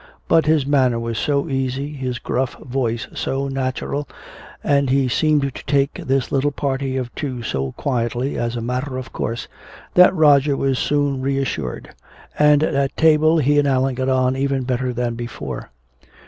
But his manner was so easy, his gruff voice so natural, and he seemed to take this little party of two so quietly as a matter of course, that Roger was soon reassured, and at table he and Allan got on even better than before.